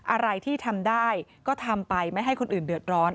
อะไรที่ทำได้ก็ทำไปไม่ให้คนอื่นเดือดร้อน